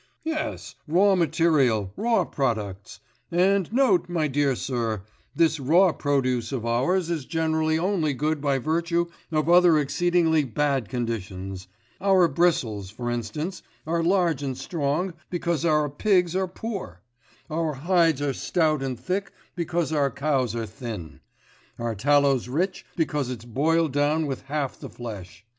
'Yes, raw material, raw products. And note, my dear sir: this raw produce of ours is generally only good by virtue of other exceedingly bad conditions; our bristles, for instance, are large and strong, because our pigs are poor; our hides are stout and thick because our cows are thin; our tallow's rich because it's boiled down with half the flesh....